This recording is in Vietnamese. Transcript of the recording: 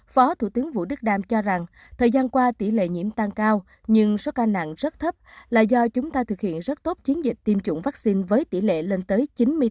phó thủ tướng vũ đức đam cho rằng thời gian qua tỷ lệ nhiễm tăng cao nhưng số ca nặng rất thấp là do chúng ta thực hiện rất tốt chiến dịch tiêm chủng vắc xin với tỷ lệ lên tới chín mươi tám chín mươi chín